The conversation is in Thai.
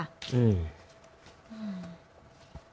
อืม